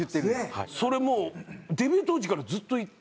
それもうデビュー当時からずっと言ってて。